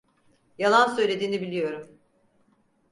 Yalan söylediğini biliyorum.